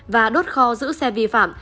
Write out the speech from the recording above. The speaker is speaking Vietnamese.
và đốt kho giữ xe vi phạm